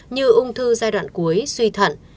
như ung thư giai đoạn cuối suy thận